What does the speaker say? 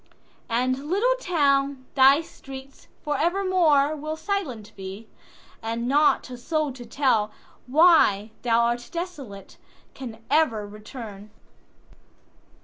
And, little town, thy streets for evermoreWill silent be; and not a soul to tellWhy thou art desolate, can e'er return.